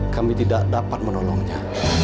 kami tidak dapat menolongnya